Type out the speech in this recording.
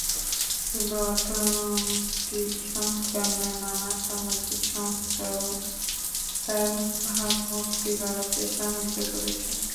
শুধু অর্থনৈতিক সংস্কার নয়, নানা সামাজিক সংস্কারও তাঁর ভাবমূর্তি বাড়াতে সাহায্য করেছে।